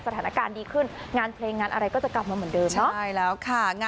สถานการณ์ดีขึ้นงานเพลงงานอะไรก็จะกลับมาเหมือนเดิมเนาะใช่แล้วค่ะ